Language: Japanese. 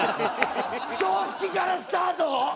葬式からスタート？